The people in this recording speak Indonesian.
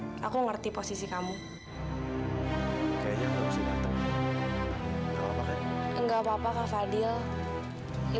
livi bisa ngerti kau posisi kak fadil